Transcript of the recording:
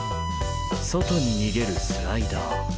外に逃げるスライダー。